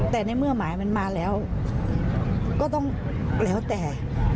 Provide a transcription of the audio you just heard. แต่ในเมื่อหมายมันมาแล้วก็ต้องแล้วแต่